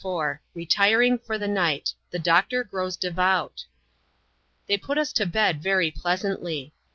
285 CHAPTER LXXIV, Retiring for the Night — The Doctor grows devoat ^ Thet put us to bed very pleasantly.